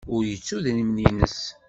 Ur yettu idrimen-nnes.